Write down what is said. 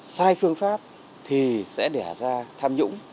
sai phương pháp thì sẽ đẻ ra tham nhũng